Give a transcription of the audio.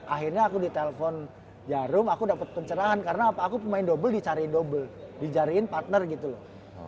akhirnya aku ditelepon jarum aku dapet pencerahan karena aku pemain dobel dicariin dobel dijariin partner gitu loh